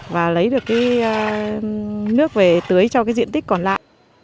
và lấy được cái nước về tưới cho cái diện tích còn lại